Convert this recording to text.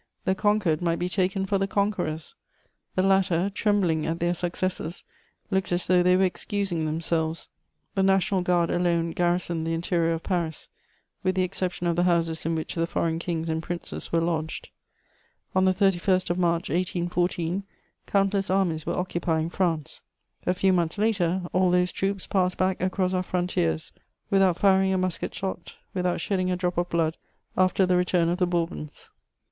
The conquered might be taken for the conquerors; the latter, trembling at their successes, looked as though they were excusing themselves. The National Guard alone garrisoned the interior of Paris, with the exception of the houses in which the foreign Kings and Princes were lodged. On the 31st of March 1814, countless armies were occupying France; a few months later all those troops passed back across our frontiers, without firing a musket shot, without shedding a drop of blood after the return of the Bourbons.